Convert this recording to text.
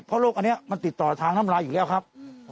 เพราะโรคอันนี้มันติดต่อทางน้ำลายอีกแล้วครับ